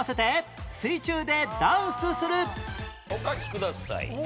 お書きください。